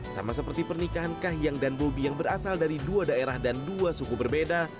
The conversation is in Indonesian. sama seperti pernikahan kahiyang dan bobi yang berasal dari dua daerah dan dua suku berbeda